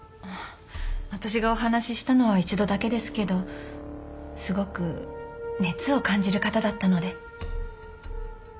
私がお話ししたのは一度だけですけどすごく熱を感じる方だったので。